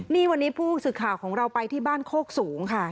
นี่วันนี้ผู้สื่อข่าวของเราไปที่บ้านโคกสูงค่ะ